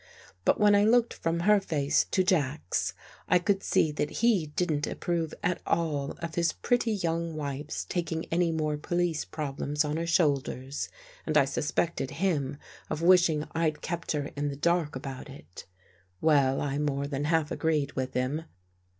But when I looked from her face to Jack's, I could see that he didn't approve at all of his pretty young wife's taking any more police problems on her shoulders, and I sus pected him of wishing I'd kept her in the dark 109 THE GHOST GIRL about it Well, I more than half agreed with him.